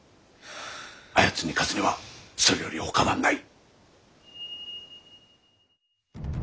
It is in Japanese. あやつに勝つにはそれよりほかはない。